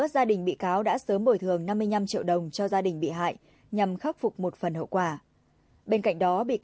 xin chào các bạn